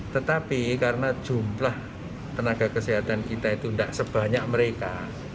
tetapi karena jumlah tenaga kesehatan kita itu tidak sebanyak mereka